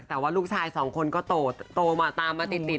แต่ว่าลูกชายสองคนก็โตตามมาติดเลยค่ะ